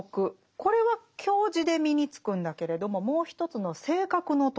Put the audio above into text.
これは教示で身につくんだけれどももう一つの「性格の徳」